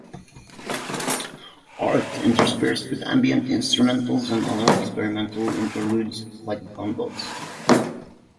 Art" interspersed with ambient instrumentals and other experimental interludes like "Gunboats".